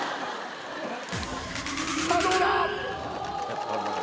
さあどうだ